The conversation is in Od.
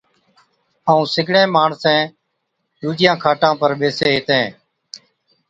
ائُون سگڙين ماڻسين ڏُوجِيان کاٽان پر ٻيسين ھِتين